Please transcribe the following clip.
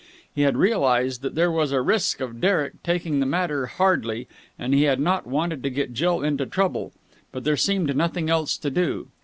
He had realized that there was a risk of Derek taking the matter hardly, and he had not wanted to get Jill into trouble, but there seemed nothing else to do.